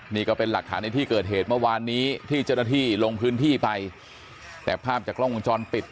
นี่ก็เป็นหลักฐานในที่เกิดเหตุเมื่อวานนี้ที่เจ้าหน้าที่ลงพื้นที่ไปแต่ภาพจากกล้องวงจรปิด